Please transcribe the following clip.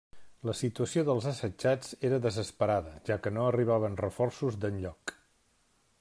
La situació dels assetjats era desesperada, ja que no arribaven reforços d'enlloc.